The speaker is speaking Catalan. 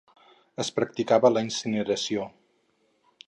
Es practicava la incineració.